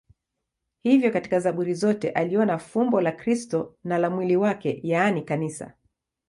Hivyo katika Zaburi zote aliona fumbo la Kristo na la mwili wake, yaani Kanisa.